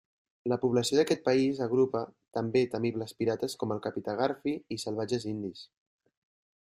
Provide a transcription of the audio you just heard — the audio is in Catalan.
La població d'aquest país agrupa també temibles pirates com el Capità Garfi i salvatges indis.